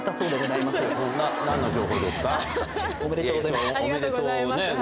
おめでとうございます。